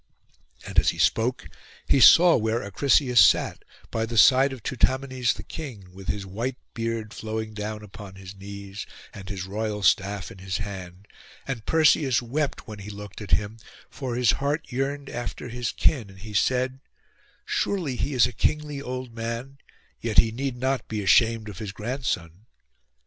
And as he spoke, he saw where Acrisius sat, by the side of Teutamenes the king, with his white beard flowing down upon his knees, and his royal staff in his hand; and Perseus wept when he looked at him, for his heart yearned after his kin; and he said, 'Surely he is a kingly old man, yet he need not be ashamed of his grandson.